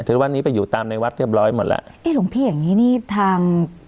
ถึงวันนี้ไปอยู่ตามในวัดเรียบร้อยหมดแล้วเอ๊ะหลวงพี่อย่างงี้นี่ทาง